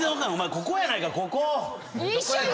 ここやないかい！